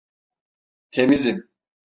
Temizim.